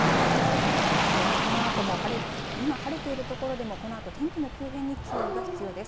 このあとも今晴れているところでもこのあと天気の急変に注意が必要です。